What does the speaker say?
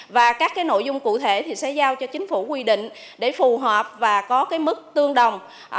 và các nội dung cụ thể thì sẽ giao cho chính phủ quy định để phù hợp và có cái mức tương đồng